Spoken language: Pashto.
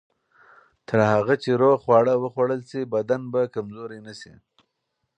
تر هغه چې روغ خواړه وخوړل شي، بدن به کمزوری نه شي.